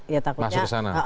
masuk ke sana